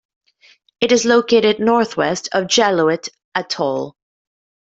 It is located northwest of Jaluit Atoll.